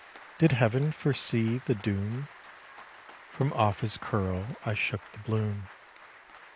Did Heaven foresee the doom? From off his curl I shook the bloom.